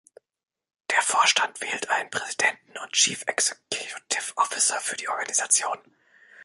Der Vorstand wählt einen Präsidenten und Chief Executive Officer für die Organisation.